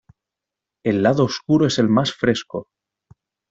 El lado oscuro es el más fresco.